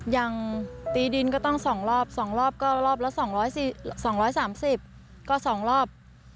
อย่างตีดินก็ต้อง๒รอบ๒รอบก็รอบละ๒๓๐ก็๒รอบ